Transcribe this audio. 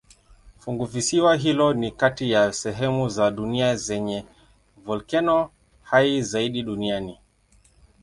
Funguvisiwa hilo ni kati ya sehemu za dunia zenye volkeno hai zaidi duniani.